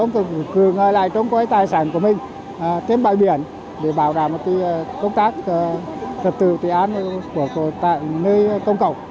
cũng có người trông coi tài sản của mình kém bãi biển để bảo đảm công tác thực tựu tự án của nơi công cộng